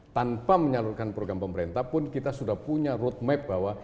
tanpa menyalurkan program pemerintah pun kita sudah punya roadmap bahwa